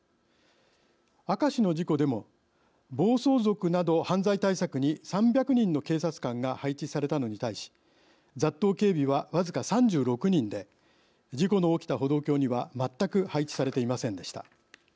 明石の事故でも暴走族など犯罪対策に３００人の警察官が配置されたのに対し雑踏警備は僅か３６人で事故の起きた歩道橋には全く配置されていませんでした。